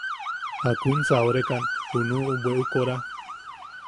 ¿Jakunsa orekan junu bweʼu kora?